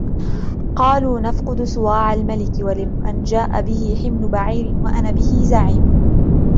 قالوا نفقد صواع الملك ولمن جاء به حمل بعير وأنا به زعيم